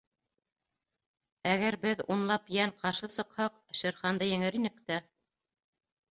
Әгәр беҙ унлап йән ҡаршы сыҡһаҡ, Шер Ханды еңер инек тә...